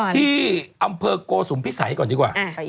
ที่อำเภอโกสุมพิสัยก่อนดีกว่า